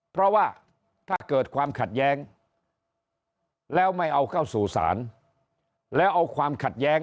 เพราะว่าถ้าเกิดความขัดแย้งแล้วไม่เอาเข้าสู่ศาลแล้วเอาความขัดแย้ง